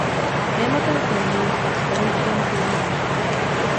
Tématem filmu je stav slovenského soudnictví.